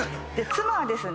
妻はですね